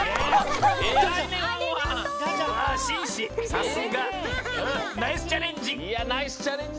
さすが！ナイスチャレンジ！